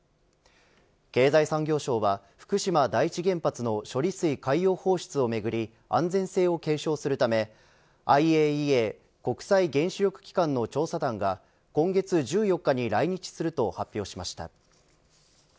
経済産業省は、福島第一原発の処理水の海洋放出をめぐり安全性を検証するためＩＡＥＡ国際原子力機関の調査団が今月１４日に来日すると発表しました。